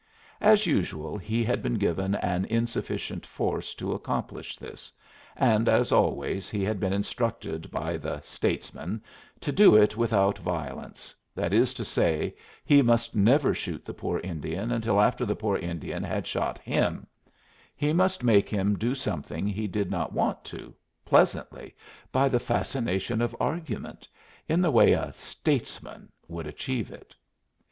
As usual, he had been given an insufficient force to accomplish this, and, as always, he had been instructed by the "statesmen" to do it without violence that is to say, he must never shoot the poor Indian until after the poor Indian had shot him; he must make him do something he did not want to, pleasantly, by the fascination of argument, in the way a "statesman" would achieve it.